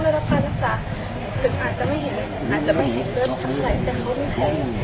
แต่เขาคิดถึงใหญ่